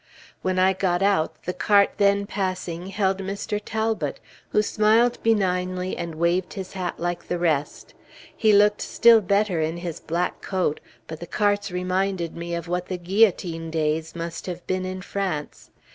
When I got out, the cart then passing held Mr. Talbot, who smiled benignly and waved his hat like the rest. He looked still better in his black coat, but the carts reminded me of what the guillotine days must have been in France.